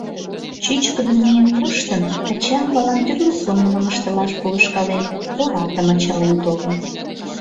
Чӱчкыдын миен коштын, ача-авалан тӱрлӧ сомылым ыштылаш полышкален, оралтым ачален толын.